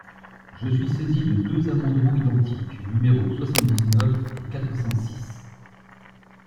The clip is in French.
Je suis saisi de deux amendements identiques, numéros soixante-dix-neuf et quatre cent six.